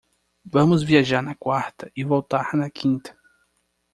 Vamos viajar na quarta e voltar na quinta